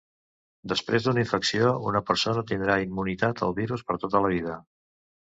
Després d'una infecció, una persona tindrà immunitat al virus per tota la vida.